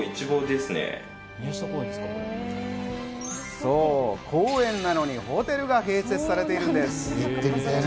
そう、公園なのにホテルが併設されているんです。